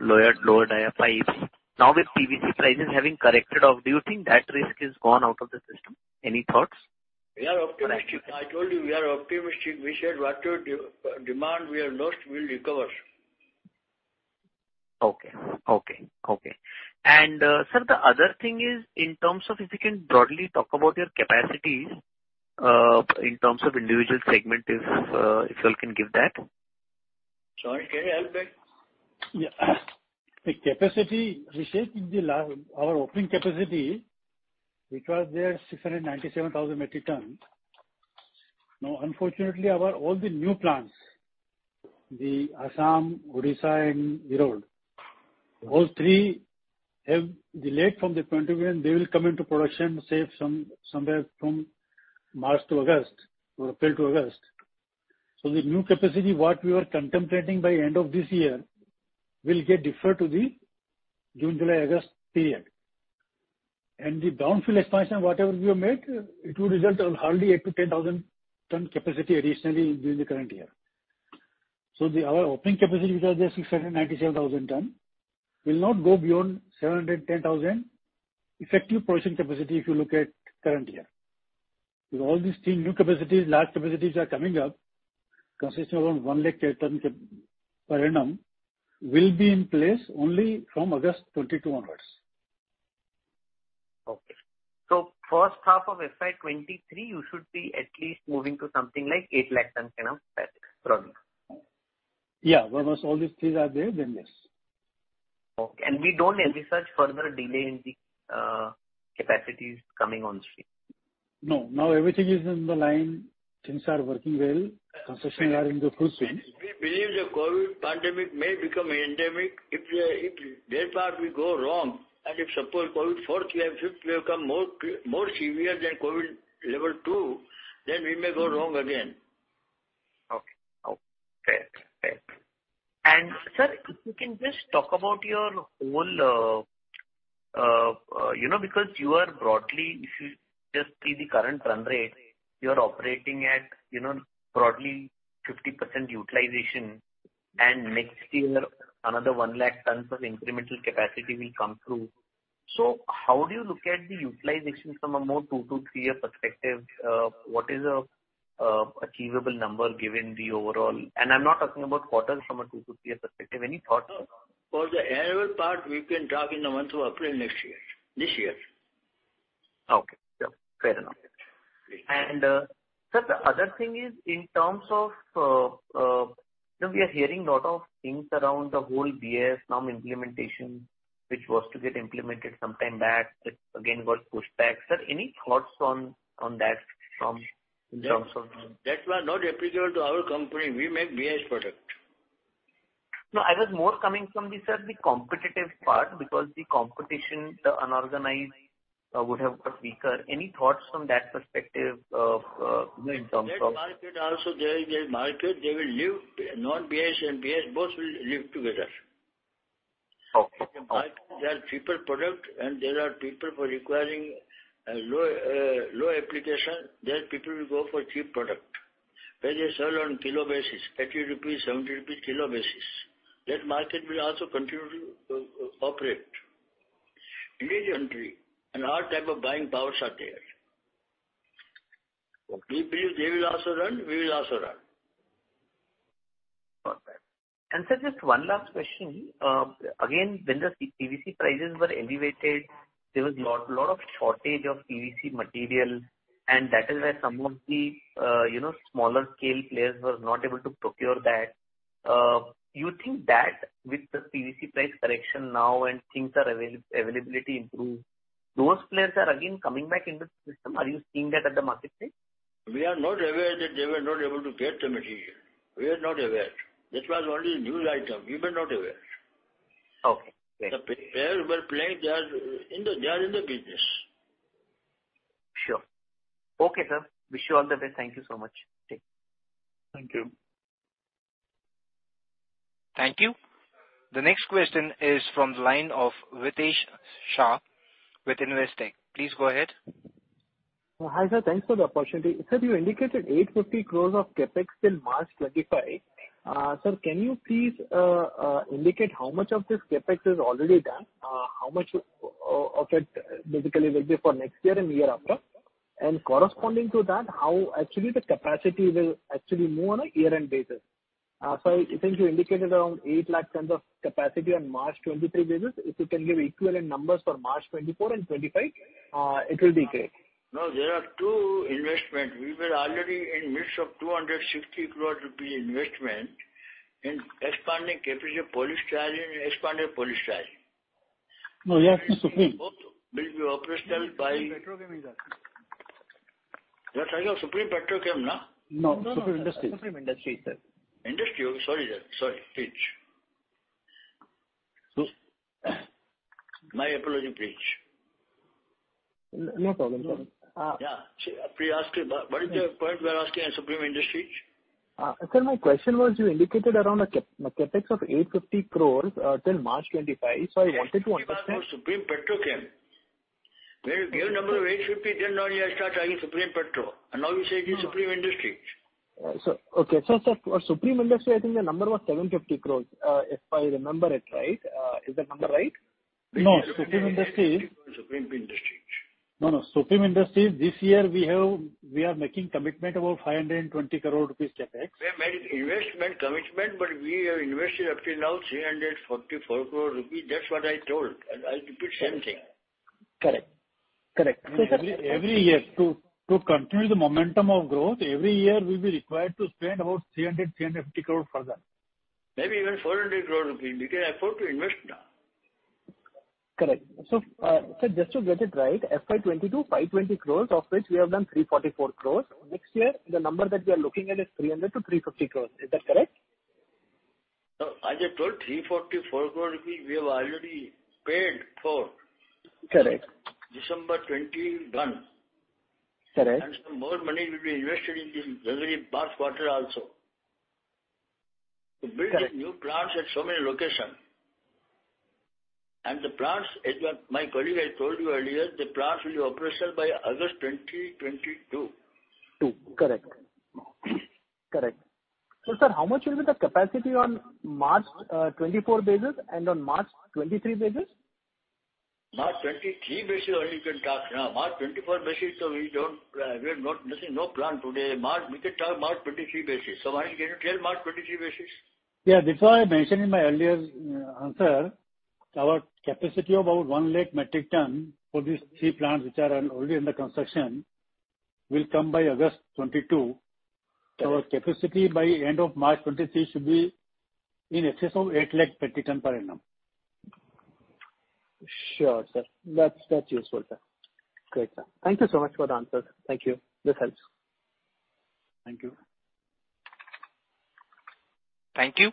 lower dia pipes. Now, with PVC prices having corrected off, do you think that risk is gone out of the system? Any thoughts? We are optimistic. Okay. I told you, we are optimistic. We said whatever demand we have lost, we'll recover. Okay. Sir, the other thing is in terms of if you can broadly talk about your capacities in terms of individual segment if you all can give that. Sanjay, can you help there? Yeah. The capacity we said. Our opening capacity, which was there 697,000 metric tons. Unfortunately, all our new plants, the Assam, Odisha and Erode, all three have delayed from the 2023 and they will come into production, say, somewhere from March to August or April to August. The new capacity, what we were contemplating by end of this year, will get deferred to the June, July, August period. The downfill expansion, whatever we have made, it will result in hardly 8,000-10,000 tons capacity additionally during the current year. Our opening capacity, which was there 697,000 tons, will not go beyond 710,000 effective production capacity if you look at current year. With all these three new capacities, large capacities are coming up, consisting of 1 lakh tons per annum, will be in place only from August 2022 onwards. Okay. First half of FY 2023, you should be at least moving to something like 8 lakh tons per annum capacity broadly. Yeah. Once all these things are there, then yes. Okay. We don't anticipate further delay in the capacities coming on stream? No. Now everything is in line. Things are working well. Construction is in full swing. We believe the COVID pandemic may become endemic. If we are, if that part will go wrong, and if suppose COVID fourth wave, fifth wave come more severe than COVID level two, then we may go wrong again. Okay. Fair enough. Sir, if you can just talk about your whole, you know, because you are broadly, if you just see the current run rate, you are operating at, you know, broadly 50% utilization. Next year, another 1 lakh tons of incremental capacity will come through. How do you look at the utilization from a more two- to three-year perspective? What is an achievable number given the overall? I'm not talking about quarters from a two- to three-year perspective. Any thoughts? For the annual part, we can talk in the month of April next year. This year. Okay. Yeah. Fair enough. Please. Sir, the other thing is in terms of, you know, we are hearing lot of things around the whole BS-VI implementation, which was to get implemented sometime back, but again got pushed back. Sir, any thoughts on that from, in terms of- That was not applicable to our company. We make BIS product. No, I was more coming from the, sir, the competitive part because the competition, the unorganized, would have got weaker. Any thoughts from that perspective of, you know, in terms of- That market also, there is a market. They will live. Non-BIS and BIS, both will live together. Okay. Okay. There are cheaper products and there are people requiring a low application, then people will go for cheap products. They sell on kilo basis, 30 rupees, 70 rupees kilo basis. That market will also continue to operate in this country, and all types of buying powers are there. Okay. We believe they will also run. We will also run. Not bad. Sir, just one last question. Again, when the CPVC prices were elevated, there was a lot of shortage of PVC material. That is why some of the smaller scale players were not able to procure that. You think that with the PVC price correction now and the availability improved, those players are again coming back into the system? Are you seeing that at the marketplace? We are not aware that they were not able to get the material. We are not aware. That was only news item. We were not aware. Okay, great. The player will play. They are in the business. Sure. Okay, sir. Wish you all the best. Thank you so much. Take care. Thank you. Thank you. The next question is from the line of Ritesh Shah with Investec. Please go ahead. Hi, sir. Thanks for the opportunity. Sir, you indicated 850 crores of CapEx till March 2025. Sir, can you please indicate how much of this CapEx is already done? How much of it basically will be for next year and year after? Corresponding to that, how actually the capacity will actually move on a year-end basis. I think you indicated around 800,000 tons of capacity on March 2023 basis. If you can give equivalent numbers for March 2024 and 2025, it will be great. No, there are two investments. We were already in the midst of 260 crore rupee investment in expanding capacity polystyrene and expanded polystyrene. No, yeah. Both will be operational by Supreme Petrochem, sir. That are your Supreme Petrochem, no? No, Supreme Industries. No, no. Supreme Industries, sir. Industry. Sorry, sir. Sorry, please. My apology, please. No problem, sir. Yeah. You asked what is the point we are asking at Supreme Industries? Sir, my question was, you indicated around a CapEx of 850 crore till March 2025. I wanted to understand- Yes, you are talking about Supreme Petrochem. When you gave number 850, then only I start talking Supreme Petro. Now you say it is Supreme Industries. Okay. Sir, for Supreme Industries, I think the number was 750 crores, if I remember it right. Is that number right? No. Supreme Industries. INR 750 crore Supreme Industries. No, no. Supreme Industries this year we have, we are making commitment about 520 crore rupees CapEx. We have made investment commitment, but we have invested up till now 344 crore rupees. That's what I told. I repeat same thing. Correct. Sir. Every year to continue the momentum of growth, every year we'll be required to spend about 350 crore further. Maybe even 400 crore rupees. We can afford to invest now. Correct. Sir, just to get it right, FY 2022, 520 crores, of which we have done 344 crores. Next year, the number that we are looking at is 300 crores-350 crores. Is that correct? No. As I told, 344 crore rupees we have already paid for. Correct. December 20, done. Correct. Some more money will be invested in the January-March quarter also to build new plants at so many locations. The plants, as my colleague has told you earlier, will be operational by August 2022. Two. Correct. Correct. Sir, how much will be the capacity on March 2024 basis and on March 2023 basis? March 2023 basis only, you can talk now. March 2024 basis, there's no plan today. March, we can talk March 2023 basis. Maninder, can you tell March 2023 basis? Yeah. This I mentioned in my earlier answer. Our capacity of about 1 lakh metric ton for these three plants which are already under construction will come by August 2022. Our capacity by end of March 2023 should be in excess of 8 lakh metric ton per annum. Sure, sir. That's useful, sir. Great, sir. Thank you so much for the answers. Thank you. This helps. Thank you. Thank you.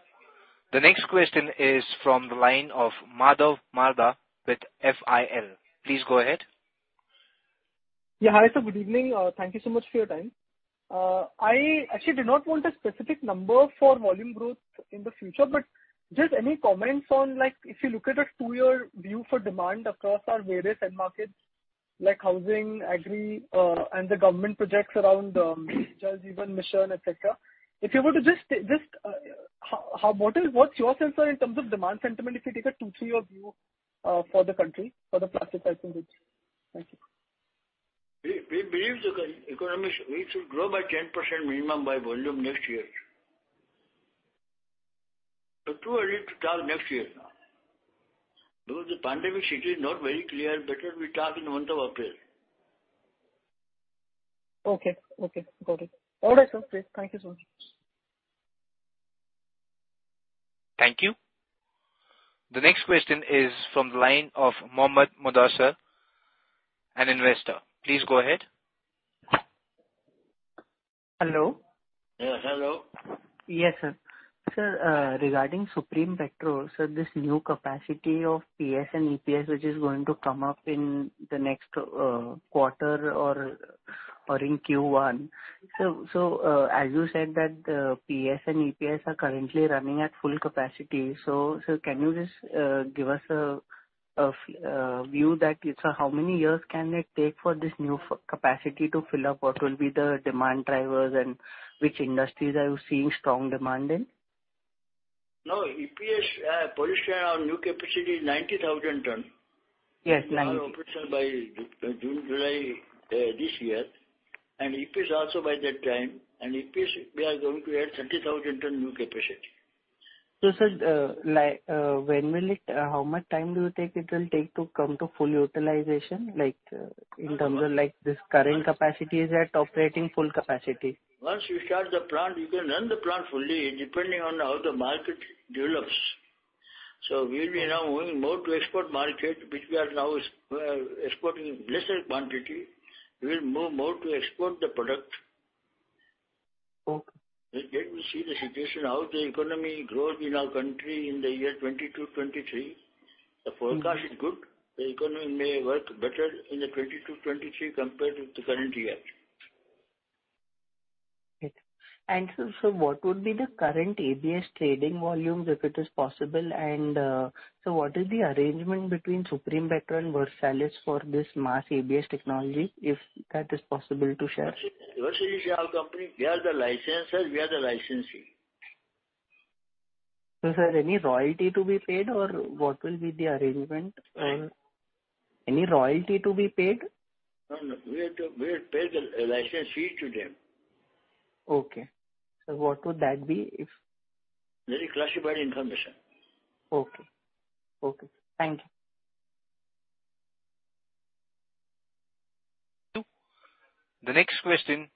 The next question is from the line of Madhav Marda with FIL. Please go ahead. Yeah. Hi, sir. Good evening. Thank you so much for your time. I actually did not want a specific number for volume growth in the future, but just any comments on, like, if you look at a two-year view for demand across our various end markets, like housing, agri, and the government projects around Jal Jeevan Mission, et cetera. If you were to just, what's your sense, sir, in terms of demand sentiment, if you take a two, three-year view, for the country, for the plastic piping niche? Thank you. We believe the economy should grow by 10% minimum by volume next year. It's too early to talk next year now. Because the pandemic situation is not very clear. Better we talk in the month of April. Okay. Got it. All right, sir. Great. Thank you so much. Thank you. The next question is from the line of Mohammed Mudassar, an investor. Please go ahead. Hello? Yes. Hello. Yes, sir. Sir, regarding Supreme Petrochem, sir, this new capacity of PS and EPS, which is going to come up in the next quarter or in Q1. As you said that PS and EPS are currently running at full capacity. Sir, can you just give us a view that it's how many years can it take for this new capacity to fill up? What will be the demand drivers and which industries are you seeing strong demand in? No. EPS, polystyrene, our new capacity is 90,000 tons. Yes, 90. Will be operational by June, July, this year. EPS also by that time. EPS we are going to add 30,000 ton new capacity. Sir, how much time do you think it will take to come to full utilization, like, in terms of like this current capacity is at operating full capacity? Once you start the plant, you can run the plant fully, depending on how the market develops. We'll be now moving more to export market, which we are now exporting lesser quantity. We'll move more to export the product. Okay. Let me see the situation, how the economy grows in our country in the year 2022-2023. The forecast is good. The economy may work better in the 2022-2023 compared with the current year. Sir, what would be the current ABS trading volumes, if it is possible? What is the arrangement between Supreme Petrochem and Versalis for this mass ABS technology, if that is possible to share? Versalis is our company. They are the licensors, we are the licensee. Sir, any royalty to be paid or what will be the arrangement? Sorry. Any royalty to be paid? No, no. We have to pay the license fee to them. Okay. What would that be if? Very classified information. Okay. Okay. Thank you. The next question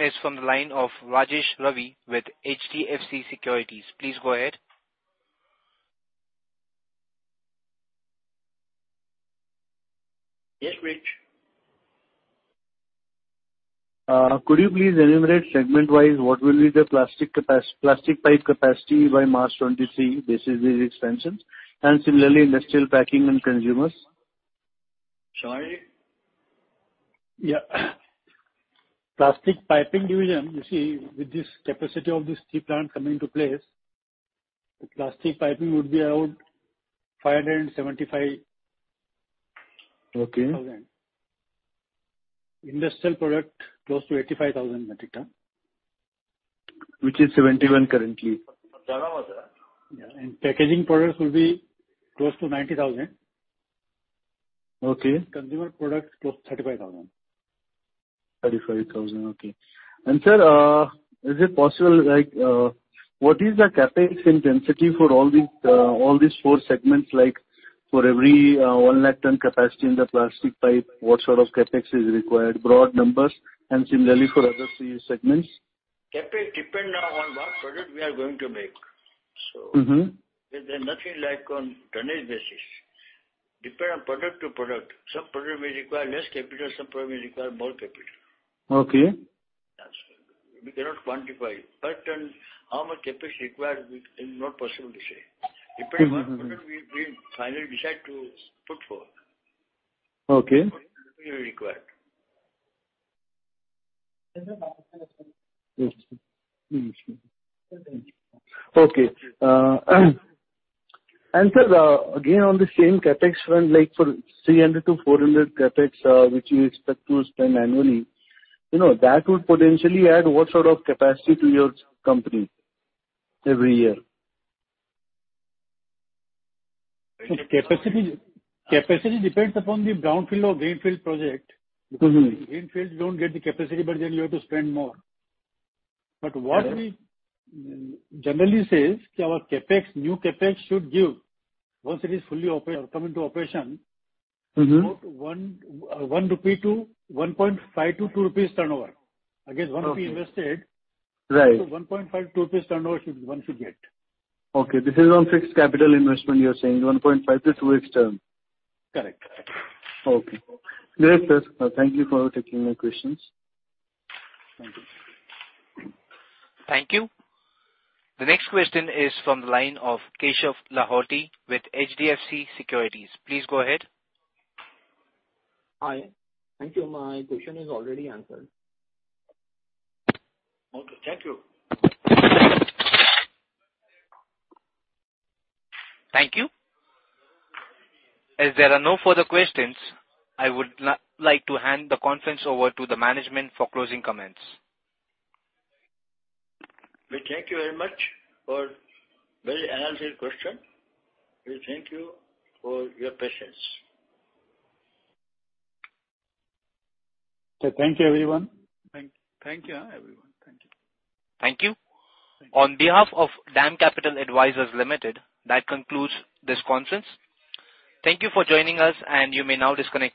is from the line of Rajesh Ravi with HDFC Securities. Please go ahead. Yes, Raj. Could you please enumerate segment-wise what will be the plastic pipe capacity by March 2023 basis the expansion? Similarly, industrial packing and consumers. Shall I? Plastic Piping Division, you see, with the capacity of this CPVC plant coming into place, the plastic piping would be around 575- Okay. Industrial Products, close to 85,000 metric tons. Which is 71 currently. Yeah. Packaging Products will be close to 90 thousand. Okay. Consumer Products, close to 35,000. 35,000, okay. Sir, is it possible like, what is the CapEx intensity for all these four segments like for every 1 lakh ton capacity in the plastic pipe, what sort of CapEx is required, broad numbers, and similarly for other three segments? CapEx depend on what product we are going to make. Mm-hmm. There's nothing like on tonnage basis. It depends on product to product. Some product may require less capital, some product may require more capital. Okay. That's it. We cannot quantify it. Per ton, how much CapEx required is not possible to say. Mm-hmm. Depending on product, we finally decide to put for. Okay. That will require. Okay. Sir, again, on the same CapEx front, like for 300-400 CapEx, which you expect to spend annually, you know, that would potentially add what sort of capacity to your company every year? Capacity depends upon the brownfield or greenfield project. Mm-hmm. Because in greenfields you don't get the capacity, but then you have to spend more. What we generally says that our CapEx, new CapEx should give, once it is fully operational come into operation. Mm-hmm. About 1 rupee to 1.5 to 2 rupees turnover. Against 1 rupee invested- Okay. Right. 1.5-2 rupees turnover one should get. Okay, this is on fixed capital investment you are saying, 1.5-2x turn. Correct. Okay. Great, sir. Thank you for taking my questions. Thank you. Thank you. The next question is from the line of Keshav Lahoti with HDFC Securities. Please go ahead. Hi. Thank you. My question is already answered. Okay. Thank you. Thank you. As there are no further questions, I would like to hand the conference over to the management for closing comments. We thank you very much for very engaging question. We thank you for your patience. Thank you, everyone. Thank you, everyone. Thank you. Thank you. Thank you. On behalf of DAM Capital Advisors Limited, that concludes this conference. Thank you for joining us, and you may now disconnect your lines.